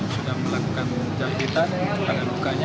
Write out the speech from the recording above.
sudah melakukan jahitan pada luka